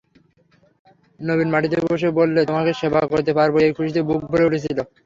নবীন মাটিতে বসে বললে, তোমাকে সেবা করতে পারব এই খুশিতে বুক ভরে উঠেছিল।